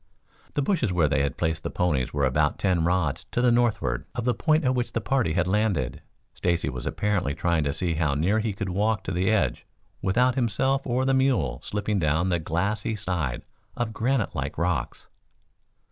The bushes where they had placed the ponies were about ten rods to the northward of the point at which the party had landed. Stacy was apparently trying to see how near he could walk to the edge without himself or the mule slipping down that glassy side of granite like rocks.